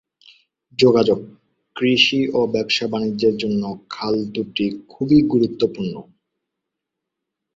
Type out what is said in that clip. যোগাযোগ, কৃষি ও ব্যবসা-বাণিজ্যের জন্য খাল দুটি খুবই গুরুত্বপূর্ণ।